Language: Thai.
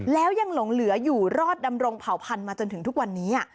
แล้วยังหลงเหลืออยู่รอดดำรงเผาพันธุมาจนถึงทุกวันนี้